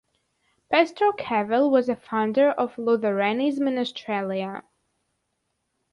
Pastor Kavel was a founder of Lutheranism in Australia.